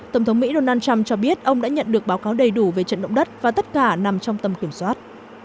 tổng thống mỹ donald trump cho biết ông đã nhận được báo cáo đầy đủ về trận động đất và tất cả nằm trong tầm kiểm soát